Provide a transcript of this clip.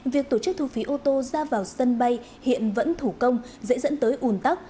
việc tổ chức thu phí ô tô ra vào sân bay hiện vẫn thủ công dễ dẫn tới ùn tắc